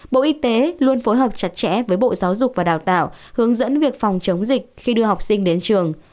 bộ y tế luôn phối hợp chặt chẽ với bộ giáo dục và đào tạo hướng dẫn việc phòng chống dịch khi đưa học sinh đến trường